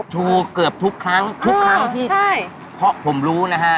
เกือบทุกครั้งทุกครั้งที่เพราะผมรู้นะฮะ